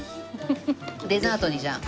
デザートにじゃあ。